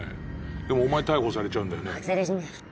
でもお前逮捕されちゃうんだよね。